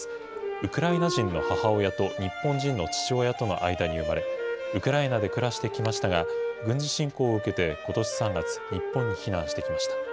ウクライナ人の母親と日本人の父親との間に生まれ、ウクライナで暮らしてきましたが、軍事侵攻を受けてことし３月、日本に避難してきました。